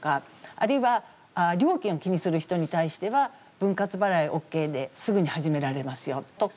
あるいは料金を気にする人に対しては「分割払いＯＫですぐに始められますよ」とか。